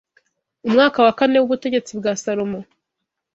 Mu mwaka wa kane w’ubutegetsi bwa Salomo